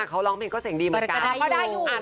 เขาร้องเพลงก็เสียงดีเหมือนกัน